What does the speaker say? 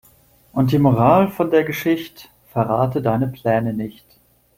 Und die Moral von der Geschicht': Verrate deine Pläne nicht.